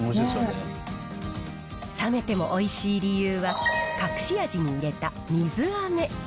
冷めてもおいしい理由は、隠し味に入れた水あめ。